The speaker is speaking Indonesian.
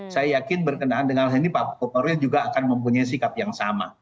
saya yakin berkenaan dengan hal ini pak kapolri juga akan mempunyai sikap yang sama